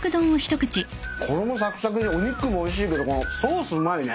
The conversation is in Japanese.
衣さくさくでお肉もおいしいけどこのソースうまいね。